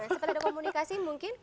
sempat ada komunikasi mungkin